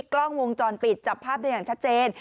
กล้องวงจรปิดจับภาพได้อย่างชัดเจน